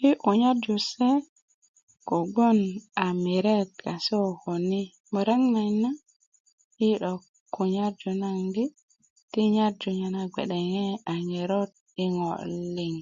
yi' ku nyarju se kogon a miret ka se kokoni murek nayit na yi' 'dok kunyarju naŋ di ti nyarju na gbe'deŋe' a ŋerot i ŋo liŋ